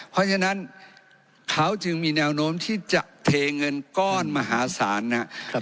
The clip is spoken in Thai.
เพราะฉะนั้นเขาจึงมีแนวโน้มที่จะเทเงินก้อนมหาศาลนะครับ